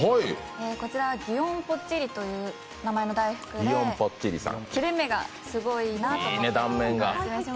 こちらは祇園ぽっちりという名前の大福で切れ目がすごいなと思って。